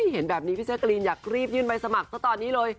เห็นแบบนี้พี่แจ๊กรีนอยากรีบยื่นใบสมัครซะตอนนี้เลย